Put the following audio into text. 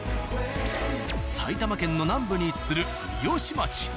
埼玉県の南部に位置する三芳町。